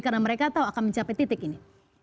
karena mereka tahu akan mencapai titik ini